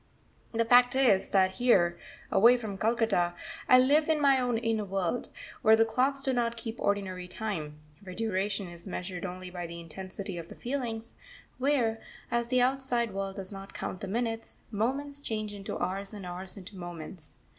The fact is that here, away from Calcutta, I live in my own inner world, where the clocks do not keep ordinary time; where duration is measured only by the intensity of the feelings; where, as the outside world does not count the minutes, moments change into hours and hours into moments.